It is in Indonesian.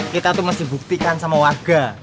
kita tuh mesti buktikan sama warga